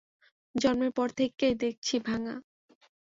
জন্মের পরের থেইক্কাই, দেখছি ভাঙা।